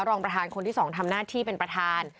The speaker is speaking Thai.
รองประธานคนที่๒ทำหน้าที่เป็นประธาน